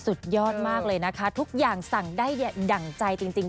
สุดยอดมากเลยนะคะทุกอย่างสั่งได้ดั่งใจจริง